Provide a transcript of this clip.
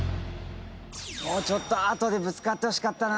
もうちょっと後でぶつかってほしかったな。